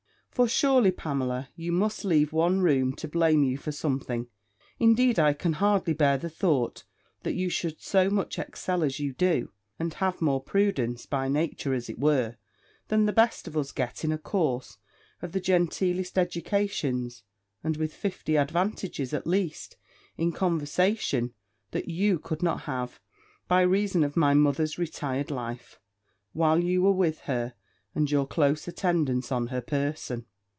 For surely, Pamela, you must leave one room to blame you for something. Indeed I can hardly bear the thought, that you should so much excel as you do, and have more prudence, by nature, as it were, than the best of us get in a course of the genteelest educations and with fifty advantages, at least, in conversation, that you could not have, by reason of my mother's retired life, while you were with her, and your close attendance on her person.